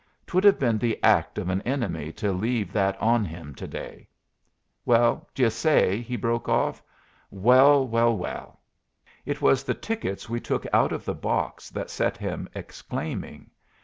'Twould have been the act of an enemy to leave that on him to day. Well, d'you say!" he broke off. "Well, well, well!" It was the tickets we took out of the box that set him exclaiming.